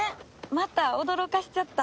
また驚かせちゃった？